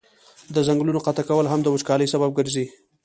د ځنګلونو قطع کول هم د وچکالی سبب ګرځي.